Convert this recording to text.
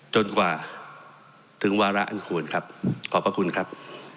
จนกว่าถึงวาระอันควรครับขอบพระคุณครับ